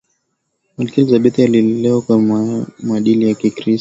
malkia elizabeth alilelewa kwa maadili ya kikristo